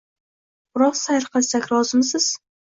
Biroz sayr qilsak, rozimisiz?